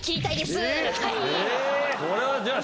これはじゃあ。